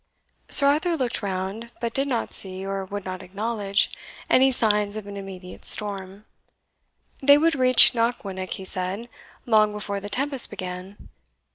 Sir Arthur looked round, but did not see, or would not acknowledge, any signs of an immediate storm. They would reach Knockwinnock, he said, long before the tempest began.